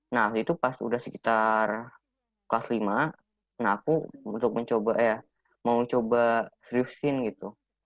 nah itu pas udah sekitar kelas lima nah aku untuk mencoba eh mau coba drift scene gitu